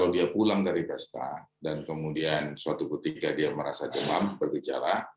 dia pulang dari pesta dan kemudian suatu ketika dia merasa demam bergejala